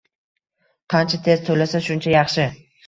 Qancha tez to‘lasa, shuncha yaxshi